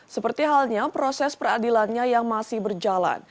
seperti halnya proses peradilannya yang masih berjalan